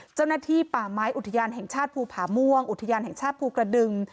เจ้าหน้าที่ป่าไม้อุทยานแห่งชาติภูผาม่วงอุทยานแห่งชาติภูกระดึง